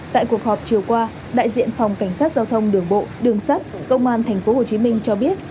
tại cuộc họp chiều qua đại diện phòng cảnh sát giao thông đường bộ đường sắt công an thành phố hồ chí minh cho biết